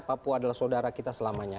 papua adalah saudara kita selamanya